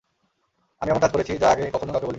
আমি এমন কাজ করেছি, যা আগে কখনো কাউকে বলিনি।